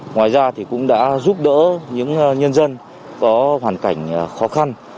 ngoài ra thì cũng đã giúp đỡ những nhân dân có hoàn cảnh khó khăn